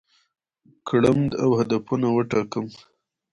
کړم او هدفونه وټاکم،